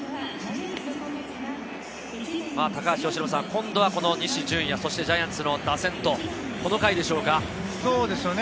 今度は西純矢、そしてジャイアンツの打線と、この回でしょうか。